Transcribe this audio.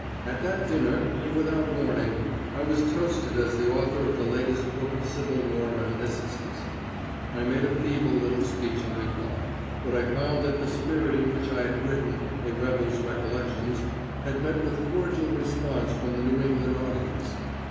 At that dinner, and without warning, I was toasted as the author of the latest book of Civil War reminiscences. I made a feeble little speech in reply, but I found that the spirit in which I had written "A Rebel's Recollections" had met with cordial response from the New England audience.